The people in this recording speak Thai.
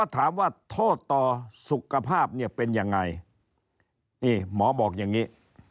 ตัวสุขภาพเนี่ยเป็นยังไงนี่หมอบอกอย่างนี้